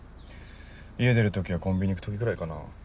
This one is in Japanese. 家出る時はコンビニ行く時ぐらいかな。